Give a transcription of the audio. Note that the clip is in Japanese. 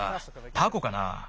タコかなあ。